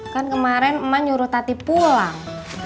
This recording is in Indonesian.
kan kemarin emak nyuruh tati pulang